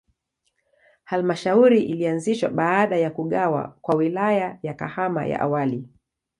Halmashauri ilianzishwa baada ya kugawa kwa Wilaya ya Kahama ya awali.